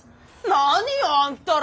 何よあんたら！